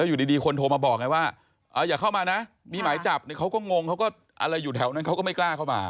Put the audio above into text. อยู่ดีคนโทรมาบอกไงว่าอย่าเข้ามานะมีหมายจับเนี่ยเขาก็งงเขาก็อะไรอยู่แถวนั้นเขาก็ไม่กล้าเข้ามา